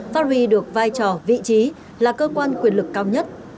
phát huy được vai trò vị trí là cơ quan quyền lực cao nhất